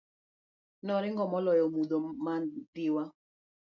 Noring'o maloyo mudho mandiwa.